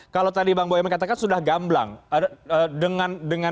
kalau tadi bang boyamin katakan sudah gamblang